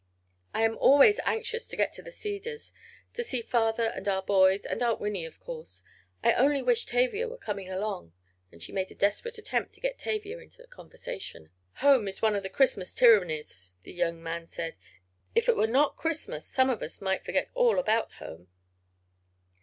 "I am always anxious to get to the Cedars—to see father and our boys, and Aunt Winnie, of course. I only wish Tavia were coming along," and she made a desperate attempt to get Tavia into the conversation. "Home is one of the Christmas tyrannies," the young man said. "If it were not Christmas some of us might forget all about home."